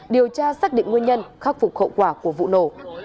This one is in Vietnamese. điều tra xác định nguyên nhân khắc phục hậu quả của vụ nổ